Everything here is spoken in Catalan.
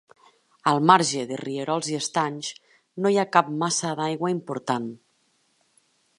Al marge de rierols i estanys, no hi ha cap massa d'aigua important.